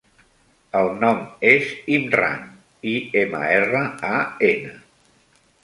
El nom és Imran: i, ema, erra, a, ena.